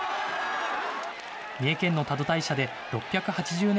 三重県の多度大社で６８０年